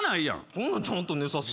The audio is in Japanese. そんなんちゃんと寝さす。